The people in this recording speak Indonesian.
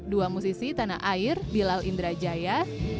dua musisi tanah air bilal indrajaya